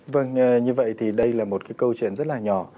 vâng như vậy thì đây là một cái câu chuyện rất là nhỏ